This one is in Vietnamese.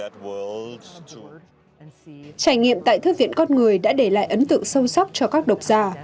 trải nghiệm tại thư viện con người đã để lại ấn tượng sâu sắc cho các độc giả